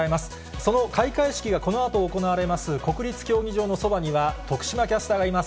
その開会式がこのあと行われます国立競技場のそばには、徳島キャスターがいます。